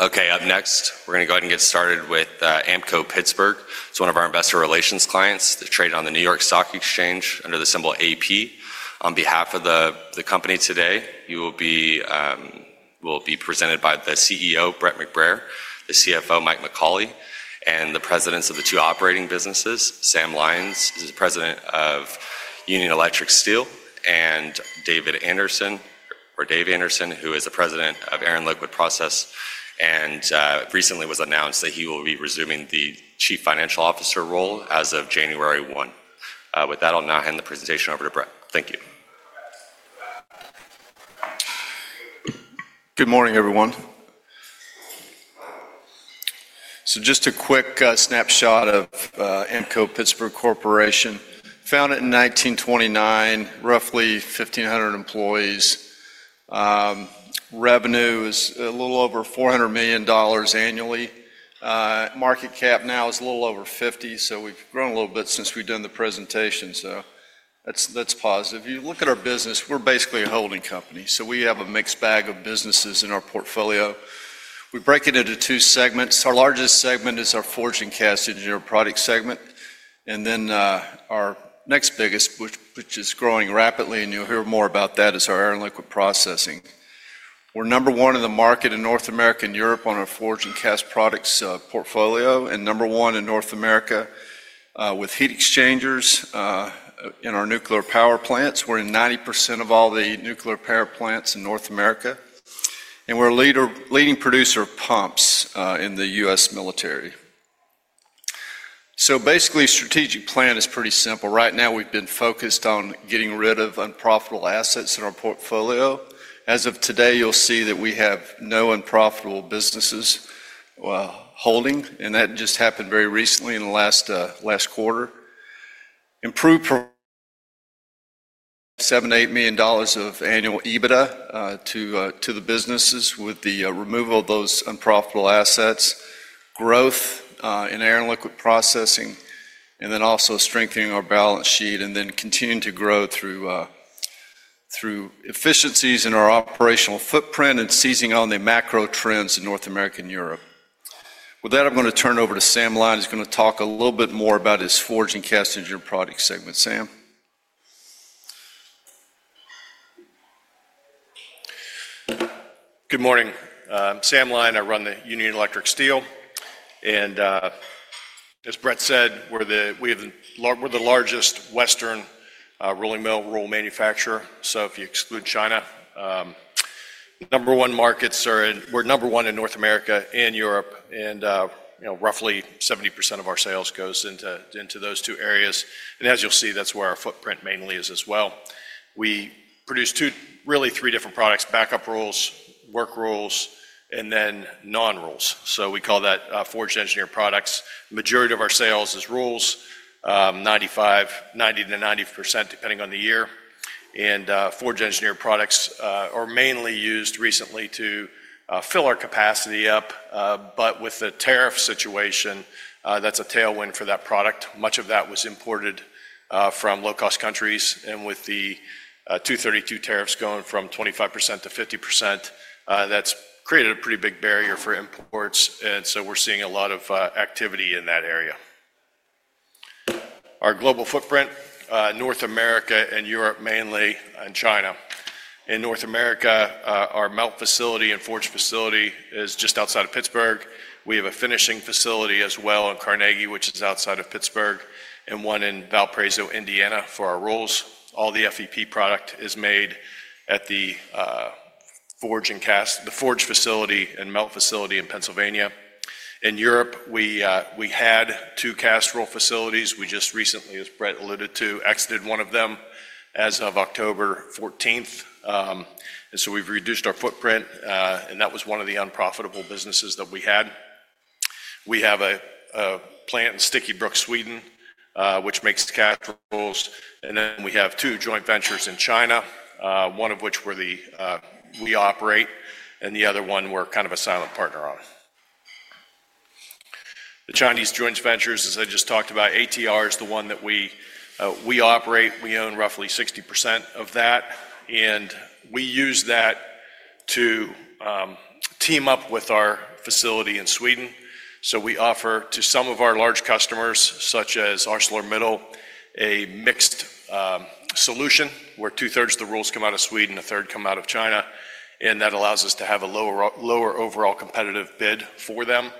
Okay, up next, we're going to go ahead and get started with Ampco-Pittsburgh. It's one of our investor relations clients that's traded on the New York Stock Exchange under the symbol AP. On behalf of the company today, you will be presented by the CEO, Brett McBrayer, the CFO, Mike McAuley, and the presidents of the two operating businesses. Sam Lyon is the president of Union Electric Steel, and Dave Anderson, who is the president of Air and Liquid Processing, and recently was announced that he will be resuming the Chief Financial Officer role as of January 1. With that, I'll now hand the presentation over to Brett. Thank you. Good morning, everyone. Just a quick snapshot of Ampco-Pittsburgh Corporation. Founded in 1929, roughly 1,500 employees. Revenue is a little over $400 million annually. Market cap now is a little over $50 million, so we've grown a little bit since we've done the presentation, so that's positive. If you look at our business, we're basically a holding company, so we have a mixed bag of businesses in our portfolio. We break it into two segments. Our largest segment is our forging, casting, and our product segment, and then our next biggest, which is growing rapidly, and you'll hear more about that, is our air and liquid processing. We're number one in the market in North America and Europe on our forging and cast products portfolio, and number one in North America with heat exchangers in our nuclear power plants. We're in 90% of all the nuclear power plants in North America, and we're a leading producer of pumps in the U.S. military. The strategic plan is pretty simple. Right now, we've been focused on getting rid of unprofitable assets in our portfolio. As of today, you'll see that we have no unprofitable businesses holding, and that just happened very recently in the last quarter. Improved from $78 million of annual EBITDA to the businesses with the removal of those unprofitable assets, growth in Air and Liquid Processing, and then also strengthening our balance sheet, and then continuing to grow through efficiencies in our operational footprint and seizing on the macro trends in North America and Europe. With that, I'm going to turn it over to Sam Lyon. He's going to talk a little bit more about his forging, casting, and product segment. Sam. Good morning. I'm Sam Lyon. I run the Union Electric Steel, and as Brett said, we're the largest Western rolling mill roll manufacturer. If you exclude China, number one markets are—we're number one in North America and Europe, and roughly 70% of our sales goes into those two areas. As you'll see, that's where our footprint mainly is as well. We produce two, really three different products: backup rolls, work rolls, and then non-rolls. We call that forged engineered products. The majority of our sales is rolls, 90- ninety percent depending on the year, and forged engineered products are mainly used recently to fill our capacity up, but with the tariff situation, that's a tailwind for that product. Much of that was imported from low-cost countries, and with the 232 tariffs going from 25% to 50%, that's created a pretty big barrier for imports, and so we're seeing a lot of activity in that area. Our global footprint: North America and Europe mainly, and China. In North America, our melt facility and forge facility is just outside of Pittsburgh. We have a finishing facility as well in Carnegie, which is outside of Pittsburgh, and one in Valparaiso, Indiana, for our rolls. All the FEP product is made at the forge facility and melt facility in Pennsylvania. In Europe, we had two cast roll facilities. We just recently, as Brett alluded to, exited one of them as of October 14, and so we've reduced our footprint, and that was one of the unprofitable businesses that we had. We have a plant in Strömsbruk, Sweden, which makes the cast rolls, and then we have two joint ventures in China, one of which we operate, and the other one we're kind of a silent partner on. The Chinese joint ventures, as I just talked about, ATR is the one that we operate. We own roughly 60% of that, and we use that to team up with our facility in Sweden. We offer to some of our large customers, such as ArcelorMittal, a mixed solution where two-thirds of the rolls come out of Sweden and a third come out of China, and that allows us to have a lower overall competitive bid for them,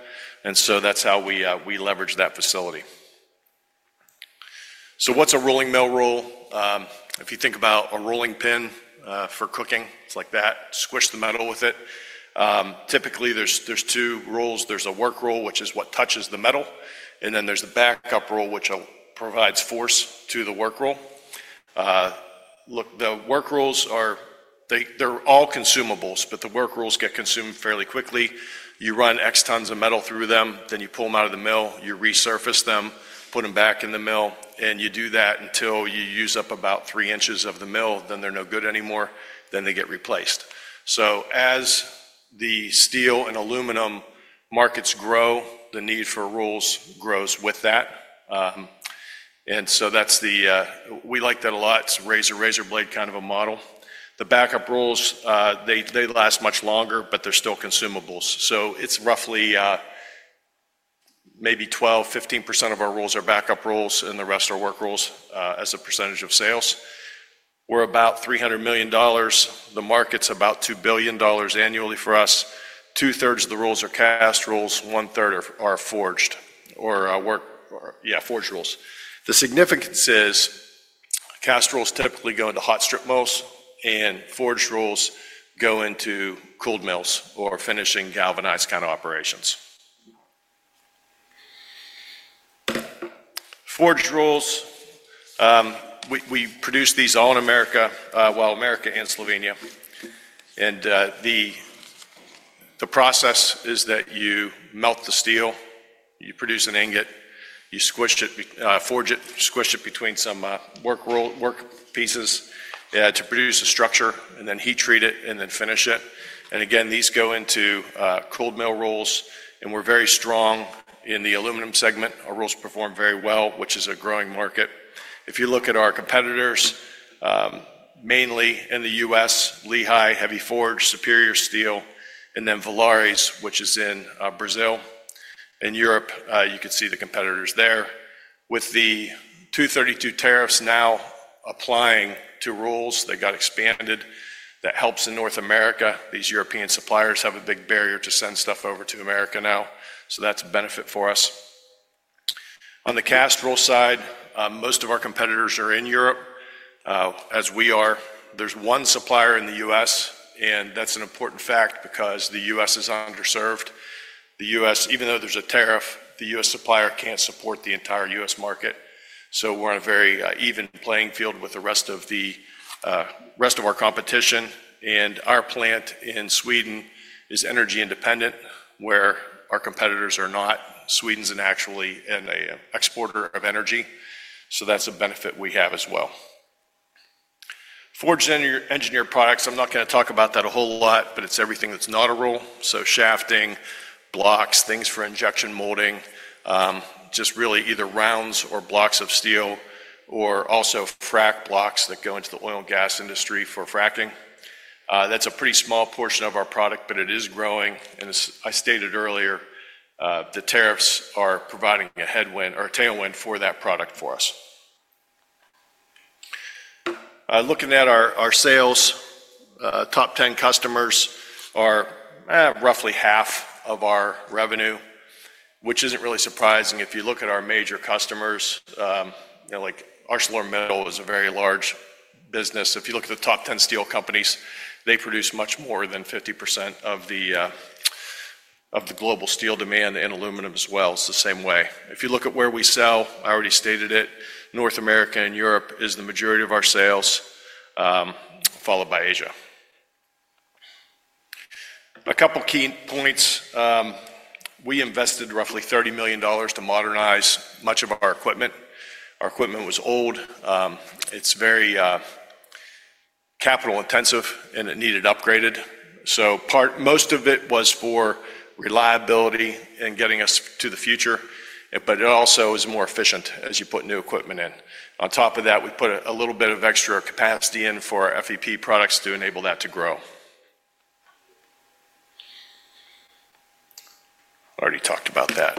and that's how we leverage that facility. What's a rolling mill roll? If you think about a rolling pin for cooking, it's like that, squish the metal with it. Typically, there's two rolls. There's a work roll, which is what touches the metal, and then there's the backup roll, which provides force to the work roll. Look, the work rolls, they're all consumables, but the work rolls get consumed fairly quickly. You run X tons of metal through them, then you pull them out of the mill, you resurface them, put them back in the mill, and you do that until you use up about 3 inches of the mill, then they're no good anymore, then they get replaced. As the steel and aluminum markets grow, the need for rolls grows with that, and that's the—we like that a lot. It's a razor-blade kind of a model. The backup rolls, they last much longer, but they're still consumables, so it's roughly maybe 12-15% of our rolls are backup rolls, and the rest are work rolls as a percentage of sales. We're about $300 million. The market's about two billion dollars annually for us. Two-thirds of the rolls are cast rolls, one-third are forged, or, yeah, forged rolls. The significance is cast rolls typically go into hot strip mills, and forged rolls go into cooled mills or finishing galvanized kind of operations. Forged rolls, we produce these all in America—America and Slovenia, and the process is that you melt the steel, you produce an ingot, you forge it, squish it between some work pieces to produce a structure, and then heat-treat it, and then finish it. Again, these go into cooled mill rolls, and we're very strong in the aluminum segment. Our rolls perform very well, which is a growing market. If you look at our competitors, mainly in the U.S.: Lehigh Heavy Forge, Superior Steel, and then Villares, which is in Brazil. In Europe, you can see the competitors there. With the 232 tariffs now applying to rolls, they got expanded. That helps in North America. These European suppliers have a big barrier to send stuff over to America now, so that's a benefit for us. On the cast roll side, most of our competitors are in Europe, as we are. There's one supplier in the U.S., and that's an important fact because the U.S. is underserved. The U.S., even though there's a tariff, the U.S. supplier can't support the entire U.S. market, so we're on a very even playing field with the rest of our competition. Our plant in Sweden is energy independent, where our competitors are not. Sweden's actually an exporter of energy, so that's a benefit we have as well. Forged engineered products, I'm not going to talk about that a whole lot, but it's everything that's not a roll, so shafting, blocks, things for injection molding, just really either rounds or blocks of steel, or also frac blocks that go into the oil and gas industry for fracking. That's a pretty small portion of our product, but it is growing, and as I stated earlier, the tariffs are providing a tailwind for that product for us. Looking at our sales, top 10 customers are roughly half of our revenue, which isn't really surprising. If you look at our major customers, like ArcelorMittal is a very large business. If you look at the top 10 steel companies, they produce much more than 50% of the global steel demand in aluminum as well. It's the same way. If you look at where we sell, I already stated it, North America and Europe is the majority of our sales, followed by Asia. A couple of key points: we invested roughly $30 million to modernize much of our equipment. Our equipment was old. It's very capital-intensive, and it needed upgraded, so most of it was for reliability and getting us to the future, but it also is more efficient as you put new equipment in. On top of that, we put a little bit of extra capacity in for FEP products to enable that to grow. I already talked about that.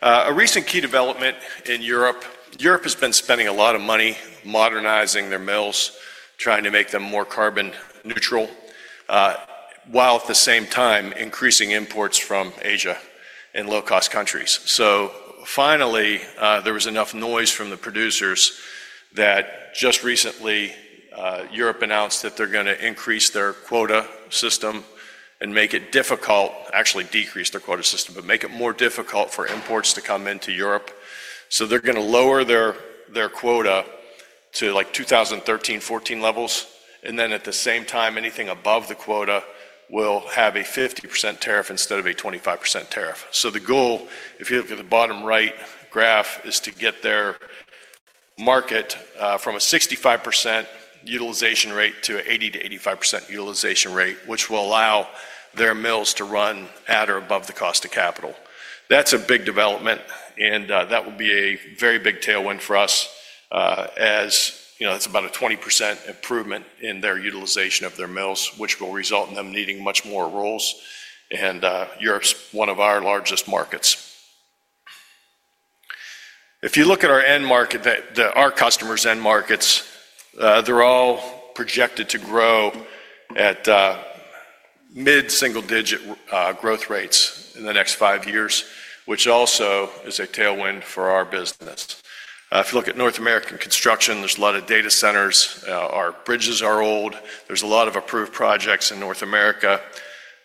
A recent key development in Europe: Europe has been spending a lot of money modernizing their mills, trying to make them more carbon neutral, while at the same time increasing imports from Asia and low-cost countries. Finally, there was enough noise from the producers that just recently Europe announced that they're going to increase their quota system and make it difficult—actually decrease their quota system, but make it more difficult for imports to come into Europe. They're going to lower their quota to like 2013, 2014 levels, and then at the same time, anything above the quota will have a 50% tariff instead of a 25% tariff. The goal, if you look at the bottom right graph, is to get their market from a 65% utilization rate to an 80-85% utilization rate, which will allow their mills to run at or above the cost of capital. That's a big development, and that will be a very big tailwind for us, as it's about a 20% improvement in their utilization of their mills, which will result in them needing much more rolls, and Europe is one of our largest markets. If you look at our end market, our customers' end markets, they're all projected to grow at mid-single-digit growth rates in the next five years, which also is a tailwind for our business. If you look at North American construction, there's a lot of data centers. Our bridges are old. There's a lot of approved projects in North America.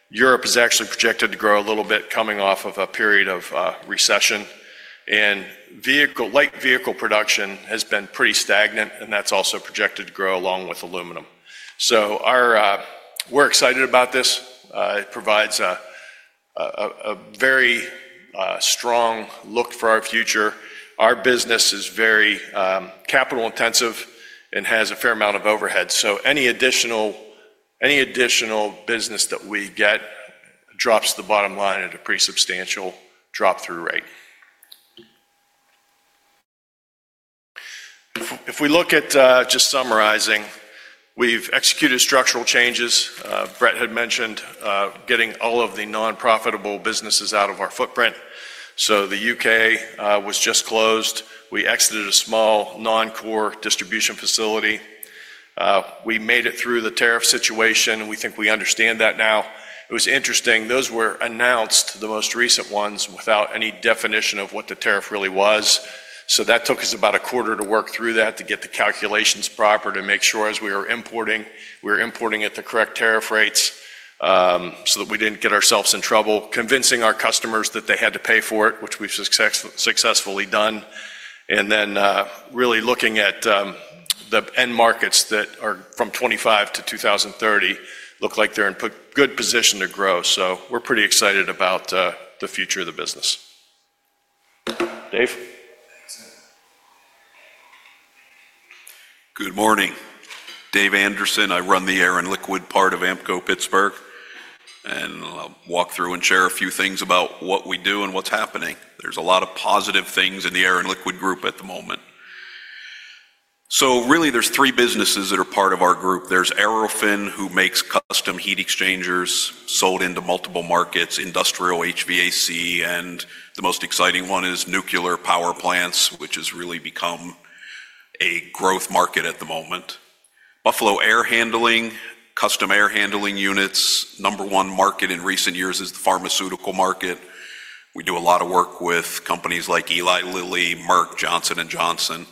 Europe is actually projected to grow a little bit coming off of a period of recession, and light vehicle production has been pretty stagnant, and that's also projected to grow along with aluminum. We are excited about this. It provides a very strong look for our future. Our business is very capital-intensive and has a fair amount of overhead, so any additional business that we get drops the bottom line at a pretty substantial drop-through rate. If we look at just summarizing, we've executed structural changes. Brett had mentioned getting all of the nonprofitable businesses out of our footprint. The U.K. was just closed. We exited a small non-core distribution facility. We made it through the tariff situation. We think we understand that now. It was interesting. Those were announced, the most recent ones, without any definition of what the tariff really was, so that took us about a quarter to work through that to get the calculations proper to make sure as we were importing, we were importing at the correct tariff rates so that we did not get ourselves in trouble. Convincing our customers that they had to pay for it, which we've successfully done, and then really looking at the end markets that are from 2025 to 2030 look like they're in a good position to grow, so we're pretty excited about the future of the business. Dave? Good morning. Dave Anderson. I run the air and liquid part of Ampco-Pittsburgh, and I'll walk through and share a few things about what we do and what's happening. There's a lot of positive things in the air and liquid group at the moment. Really, there are three businesses that are part of our group. There's Aerofin, who makes custom heat exchangers sold into multiple markets, industrial HVAC, and the most exciting one is nuclear power plants, which has really become a growth market at the moment. Buffalo Air Handling, custom air handling units. Number one market in recent years is the pharmaceutical market. We do a lot of work with companies like Eli Lilly, Merck, Johnson & Johnson.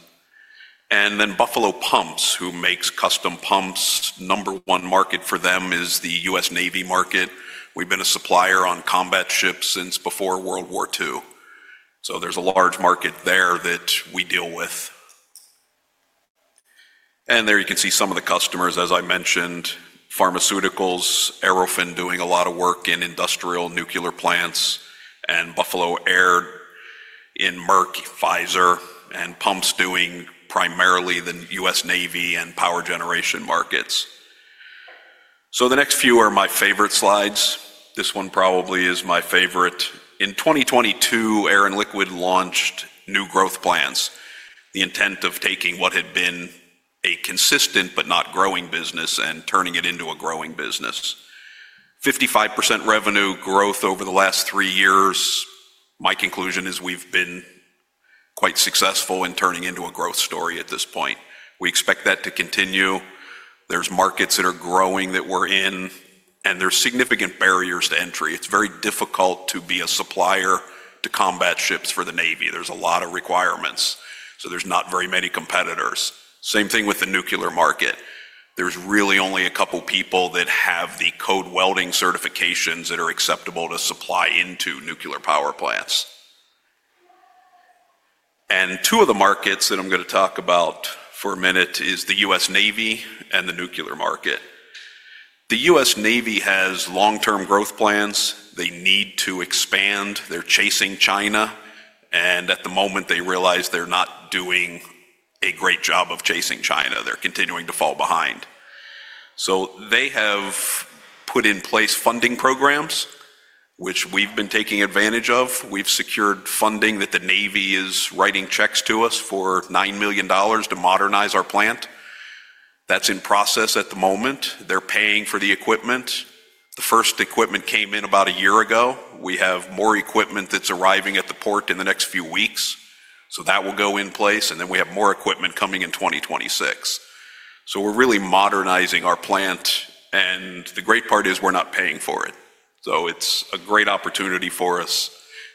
Then Buffalo Pumps, who makes custom pumps. Number one market for them is the U.S. Navy market. We've been a supplier on combat ships since before World War II, so there's a large market there that we deal with. There you can see some of the customers, as I mentioned. Pharmaceuticals, Aerofin doing a lot of work in industrial nuclear plants, and Buffalo Air in Merck, Pfizer, and Pumps doing primarily the U.S. Navy and power generation markets. The next few are my favorite slides. This one probably is my favorite. In 2022, Air and Liquid launched new growth plans, the intent of taking what had been a consistent but not growing business and turning it into a growing business. 55% revenue growth over the last three years. My conclusion is we've been quite successful in turning into a growth story at this point. We expect that to continue. There are markets that are growing that we're in, and there are significant barriers to entry. It's very difficult to be a supplier to combat ships for the Navy. There's a lot of requirements, so there's not very many competitors. Same thing with the nuclear market. There's really only a couple of people that have the code welding certifications that are acceptable to supply into nuclear power plants. Two of the markets that I'm going to talk about for a minute is the U.S. Navy and the nuclear market. The U.S. Navy has long-term growth plans. They need to expand. They're chasing China, and at the moment, they realize they're not doing a great job of chasing China. They're continuing to fall behind. They have put in place funding programs, which we've been taking advantage of. We've secured funding that the Navy is writing checks to us for nine million dollars to modernize our plant. That's in process at the moment. They're paying for the equipment. The first equipment came in about a year ago. We have more equipment that's arriving at the port in the next few weeks, that will go in place, and we have more equipment coming in 2026. We're really modernizing our plant, and the great part is we're not paying for it. It's a great opportunity for us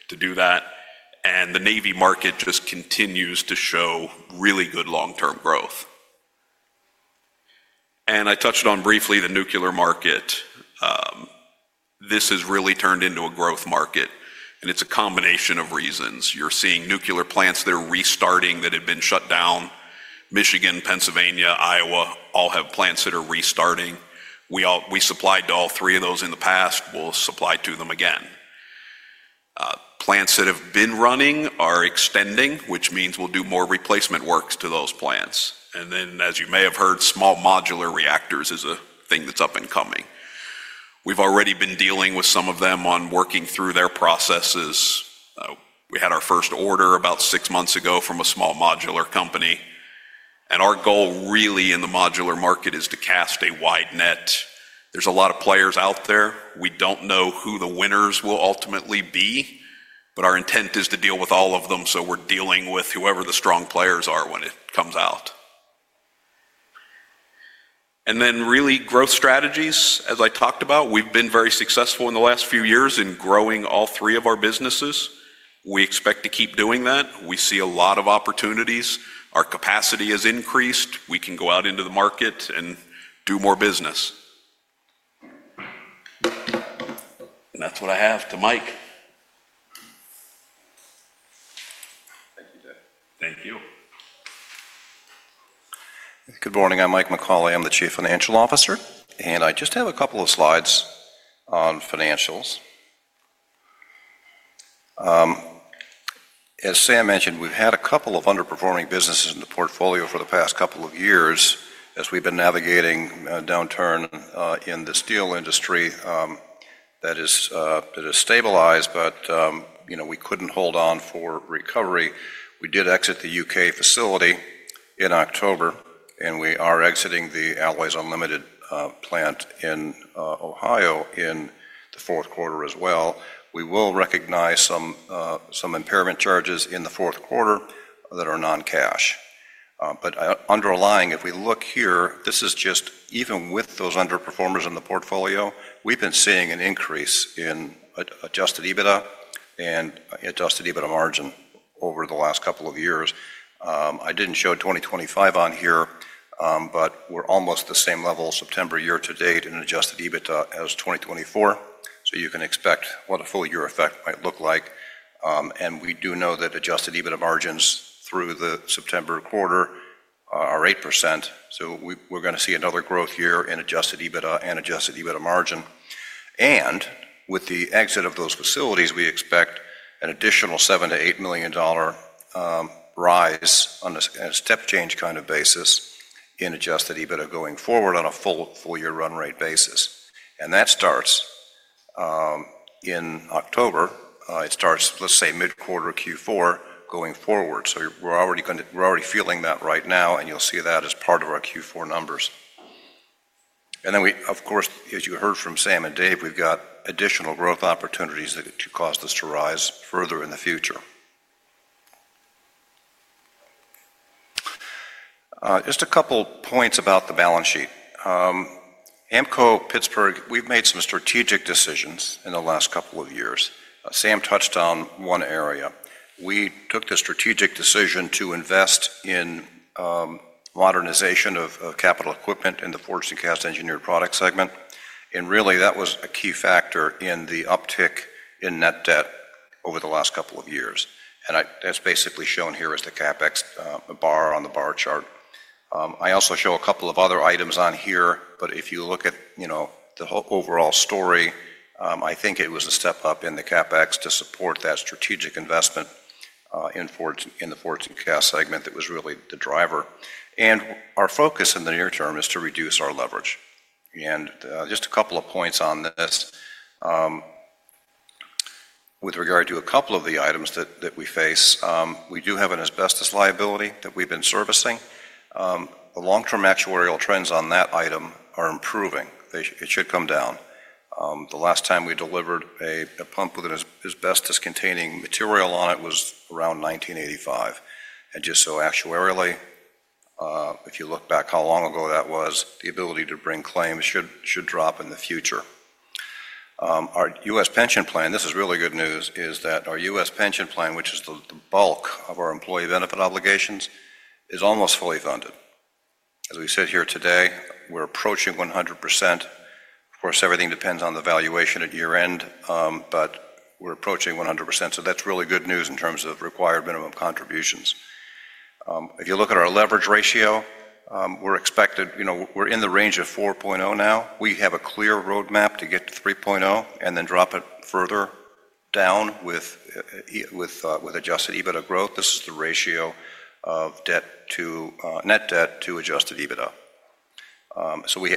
to do that, and the Navy market just continues to show really good long-term growth. I touched on briefly the nuclear market. This has really turned into a growth market, and it's a combination of reasons. You're seeing nuclear plants that are restarting that had been shut down. Michigan, Pennsylvania, Iowa all have plants that are restarting. We supplied to all three of those in the past. We'll supply to them again. Plants that have been running are extending, which means we'll do more replacement works to those plants. As you may have heard, small modular reactors is a thing that's up and coming. We've already been dealing with some of them on working through their processes. We had our first order about six months ago from a small modular company, and our goal really in the modular market is to cast a wide net. There's a lot of players out there. We don't know who the winners will ultimately be, but our intent is to deal with all of them, so we're dealing with whoever the strong players are when it comes out. Really, growth strategies, as I talked about. We've been very successful in the last few years in growing all three of our businesses. We expect to keep doing that. We see a lot of opportunities. Our capacity has increased. We can go out into the market and do more business. That is what I have to Mike. Thank you, Dave. Thank you. Good morning. I'm Mike McAuley. I'm the Chief Financial Officer, and I just have a couple of slides on financials. As Sam mentioned, we've had a couple of underperforming businesses in the portfolio for the past couple of years as we've been navigating a downturn in the steel industry that has stabilized, but we couldn't hold on for recovery. We did exit the U.K. facility in October, and we are exiting the Always Unlimited plant in Ohio in the fourth quarter as well. We will recognize some impairment charges in the fourth quarter that are non-cash. Underlying, if we look here, this is just even with those underperformers in the portfolio, we've been seeing an increase in adjusted EBITDA and adjusted EBITDA margin over the last couple of years.I didn't show 2025 on here, but we're almost at the same level September year to date in adjusted EBITDA as 2024, so you can expect what a full year effect might look like. We do know that adjusted EBITDA margins through the September quarter are 8%, so we're going to see another growth year in adjusted EBITDA and adjusted EBITDA margin. With the exit of those facilities, we expect an additional $7-8 million rise on a step change kind of basis in adjusted EBITDA going forward on a full year run rate basis. That starts in October. It starts, let's say, mid-quarter Q4 going forward, so we're already feeling that right now, and you'll see that as part of our Q4 numbers. Of course, as you heard from Sam and Dave, we've got additional growth opportunities to cause this to rise further in the future. Just a couple of points about the balance sheet. Ampco-Pittsburgh, we've made some strategic decisions in the last couple of years. Sam touched on one area. We took the strategic decision to invest in modernization of capital equipment in the forged and cast engineered product segment, and really that was a key factor in the uptick in net debt over the last couple of years. That's basically shown here as the CapEx bar on the bar chart. I also show a couple of other items on here, but if you look at the overall story, I think it was a step up in the CapEx to support that strategic investment in the forged and cast segment that was really the driver. Our focus in the near term is to reduce our leverage. Just a couple of points on this. With regard to a couple of the items that we face, we do have an asbestos liability that we've been servicing. The long-term actuarial trends on that item are improving. It should come down. The last time we delivered a pump with an asbestos-containing material on it was around 1985. Just so actuarially, if you look back how long ago that was, the ability to bring claims should drop in the future. Our U.S. pension plan, this is really good news, is that our U.S. pension plan, which is the bulk of our employee benefit obligations, is almost fully funded. As we sit here today, we're approaching 100%. Of course, everything depends on the valuation at year-end, but we're approaching 100%, so that's really good news in terms of required minimum contributions. If you look at our leverage ratio, we're expected we're in the range of 4.0 now. We have a clear roadmap to get to 3.0 and then drop it further down with adjusted EBITDA growth. This is the ratio of net debt to adjusted EBITDA.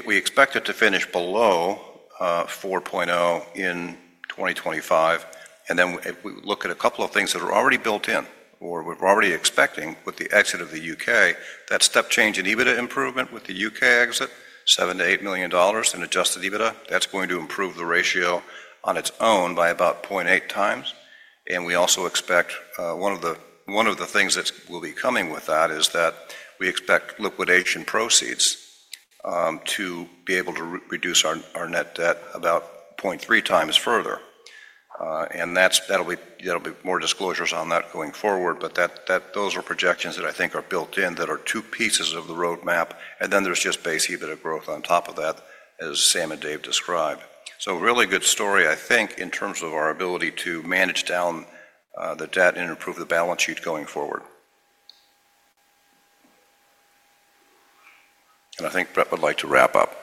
We expect it to finish below 4.0 in 2025, and we look at a couple of things that are already built in or we're already expecting with the exit of the U.K. That step change in EBITDA improvement with the U.K. exit, $7-$8 million in adjusted EBITDA, that's going to improve the ratio on its own by about 0.8 times. We also expect one of the things that will be coming with that is that we expect liquidation proceeds to be able to reduce our net debt about 0.3 times further. There will be more disclosures on that going forward, but those are projections that I think are built in that are two pieces of the roadmap. There is just base EBITDA growth on top of that, as Sam and Dave described. Really good story, I think, in terms of our ability to manage down the debt and improve the balance sheet going forward. I think Brett would like to wrap up.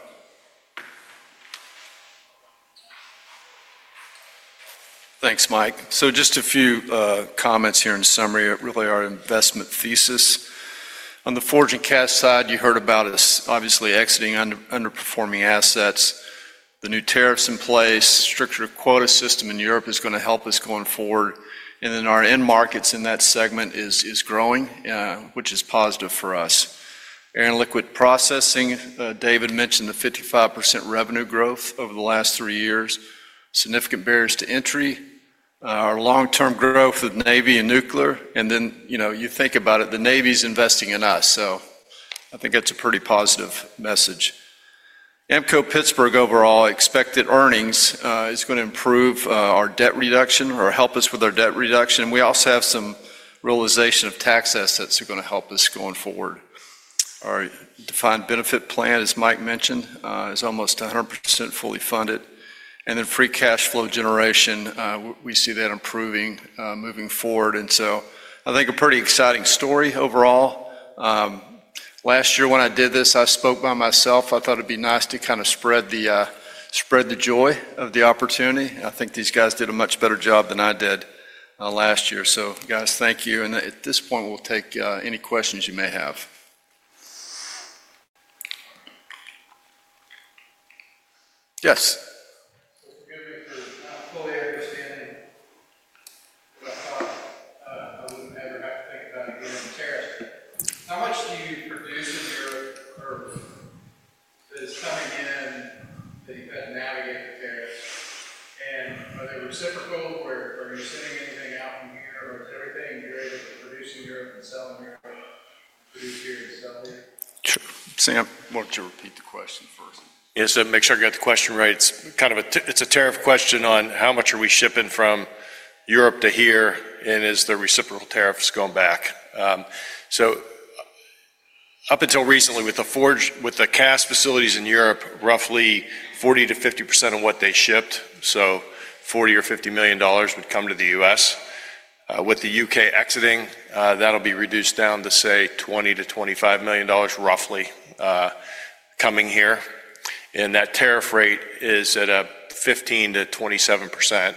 Thanks, Mike. Just a few comments here in summary. It is really our investment thesis. On the forged and cast side, you heard about us obviously exiting underperforming assets. The new tariffs in place, structured quota system in Europe is going to help us going forward. Our end markets in that segment are growing, which is positive for us. Air and liquid processing, David mentioned the 55% revenue growth over the last three years. Significant barriers to entry. Our long-term growth of Navy and nuclear. You think about it, the Navy's investing in us, so I think that's a pretty positive message. Ampco-Pittsburgh overall expected earnings is going to improve our debt reduction or help us with our debt reduction. We also have some realization of tax assets that are going to help us going forward. Our defined benefit plan, as Mike mentioned, is almost 100% fully funded. Free cash flow generation, we see that improving moving forward. I think a pretty exciting story overall. Last year when I did this, I spoke by myself. I thought it'd be nice to kind of spread the joy of the opportunity. I think these guys did a much better job than I did last year. Guys, thank you. At this point, we'll take any questions you may have. Yes. Forgive me for not fully understanding, but I would not ever have to think about it again in tariffs. How much do you produce in Europe that is coming in that you have had to navigate the tariffs? Are they reciprocal? Are you sending anything out from here? Or is everything you are able to produce in Europe and sell in Europe produced here and sold here? Sam, why don't you repeat the question first? Yes, so make sure I got the question right. It's a tariff question on how much are we shipping from Europe to here, and is the reciprocal tariffs going back? Up until recently, with the cast facilities in Europe, roughly 40-50% of what they shipped, so $40 million or $50 million would come to the U.S. With the U.K. exiting, that'll be reduced down to, say, $20 million-$25 million roughly coming here. That tariff rate is at 15%-27%.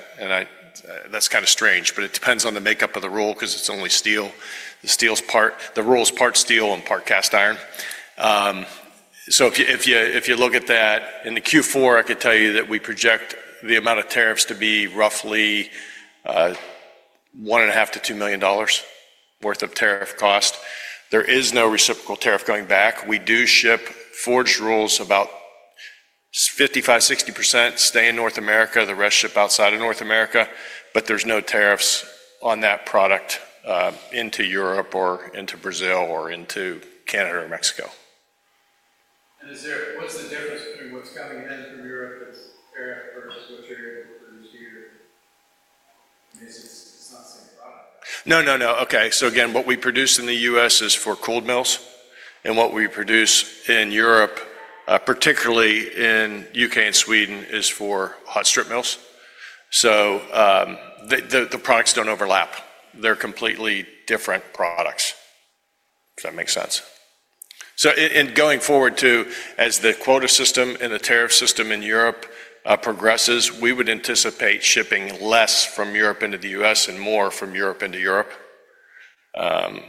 That's kind of strange, but it depends on the makeup of the roll because it's only steel. The steel's part, the roll's part steel and part cast iron. If you look at that, in the Q4, I could tell you that we project the amount of tariffs to be roughly $1.5 million-$2 million worth of tariff cost. There is no reciprocal tariff going back. We do ship forged rolls, about 55-60% stay in North America. The rest ship outside of North America, but there's no tariffs on that product into Europe or into Brazil or into Canada or Mexico. What's the difference between what's coming in from Europe that's tariff-first, what you're able to produce here? I mean, it's not the same product. No, no, no. Okay. Again, what we produce in the U.S. is for cold mills, and what we produce in Europe, particularly in the U.K. and Sweden, is for hot strip mills. The products do not overlap. They are completely different products, if that makes sense. Going forward too, as the quota system and the tariff system in Europe progresses, we would anticipate shipping less from Europe into the U.S. and more from Europe into Europe,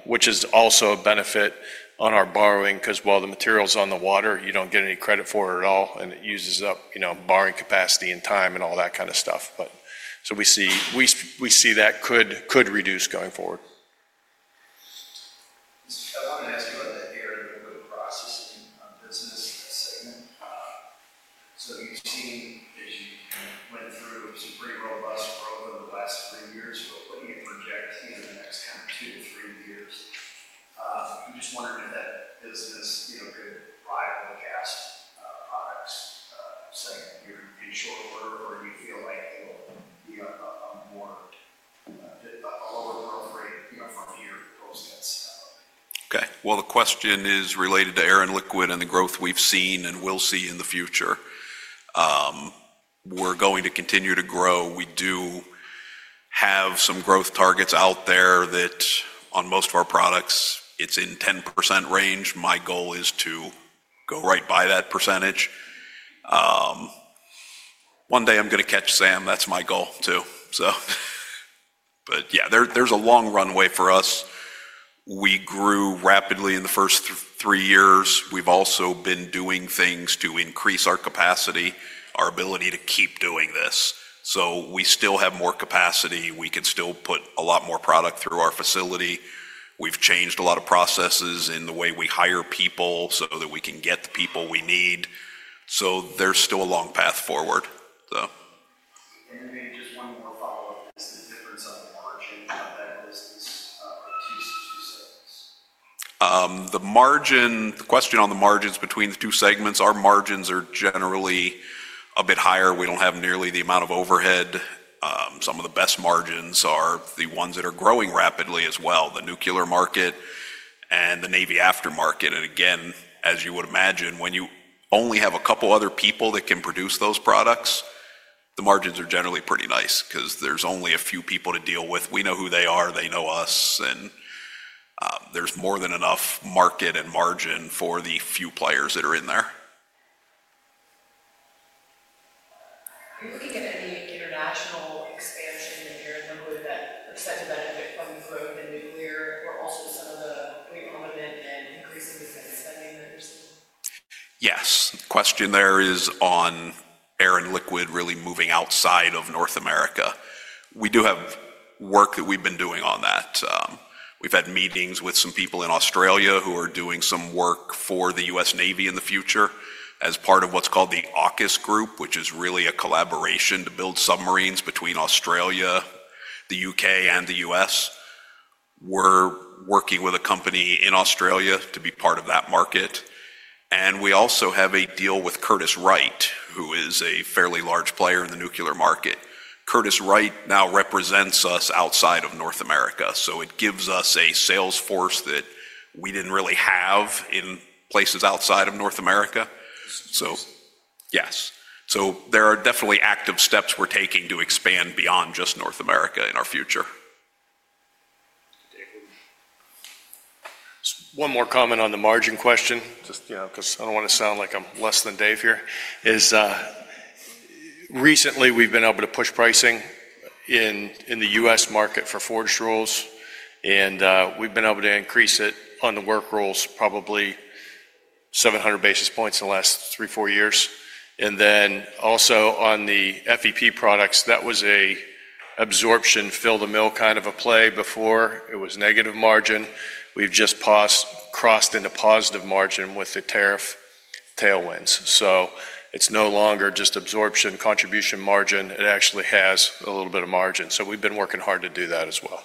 which is also a benefit on our borrowing because while the material is on the water, you do not get any credit for it at all, and it uses up borrowing capacity and time and all that kind of stuff. We see that could reduce going forward. I wanted to ask you about the area of the processing business segment. You have seen, as you went through, some pretty robust growth over the last three years. What do you project in the next kind of two to three years? I am just wondering if that business could rival the cast products segment here in short order, or do you feel like it will be a lower growth rate from here post-cuts? Okay. The question is related to air and liquid and the growth we've seen and will see in the future. We're going to continue to grow. We do have some growth targets out there that on most of our products, it's in the 10% range. My goal is to go right by that percentage. One day I'm going to catch Sam. That's my goal too, so. Yeah, there's a long runway for us. We grew rapidly in the first three years. We've also been doing things to increase our capacity, our ability to keep doing this. We still have more capacity. We can still put a lot more product through our facility. We've changed a lot of processes in the way we hire people so that we can get the people we need. There's still a long path forward. Maybe just one more follow-up. What's the difference on the margin of that business of the two segments? The question on the margins between the two segments, our margins are generally a bit higher. We do not have nearly the amount of overhead. Some of the best margins are the ones that are growing rapidly as well, the nuclear market and the Navy aftermarket. As you would imagine, when you only have a couple of other people that can produce those products, the margins are generally pretty nice because there are only a few people to deal with. We know who they are. They know us. There is more than enough market and margin for the few players that are in there. Are you looking at any international expansion in air and liquid that is set to benefit from the growth in nuclear or also some of the rearmament and increasing defense spending that you're seeing? Yes. The question there is on air and liquid really moving outside of North America. We do have work that we've been doing on that. We've had meetings with some people in Australia who are doing some work for the U.S. Navy in the future as part of what's called the AUKUS Group, which is really a collaboration to build submarines between Australia, the U.K., and the U.S. We're working with a company in Australia to be part of that market. We also have a deal with Curtiss-Wright, who is a fairly large player in the nuclear market. Curtiss-Wright now represents us outside of North America. It gives us a salesforce that we didn't really have in places outside of North America. Yes, there are definitely active steps we're taking to expand beyond just North America in our future. One more comment on the margin question, just because I don't want to sound like I'm less than Dave here. Recently, we've been able to push pricing in the U.S. market for forged rolls, and we've been able to increase it on the work rolls probably 700 basis points in the last three, four years. Also on the FEP products, that was an absorption fill the mill kind of a play before. It was negative margin. We've just crossed into positive margin with the tariff tailwinds. It is no longer just absorption contribution margin. It actually has a little bit of margin. We've been working hard to do that as well.